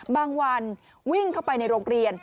บางวันวิ่งเข้าไปในโรงเรียน